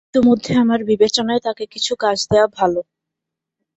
ইতোমধ্যে আমার বিবেচনায় তাঁকে কিছু কাজ দেওয়া ভাল।